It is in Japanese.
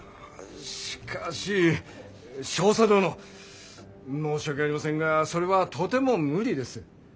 しかし少佐殿申し訳ありませんがそれはとても無理です。